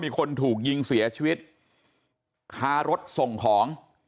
มีคนถูกยิงเสียชีวิตคารถส่งของ